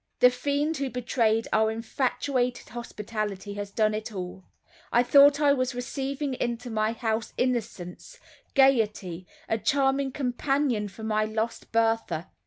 The fiend who betrayed our infatuated hospitality has done it all. I thought I was receiving into my house innocence, gaiety, a charming companion for my lost Bertha.